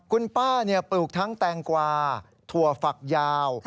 คุณป้าปลูกทั้งแตงกวาถั่วฝักยาว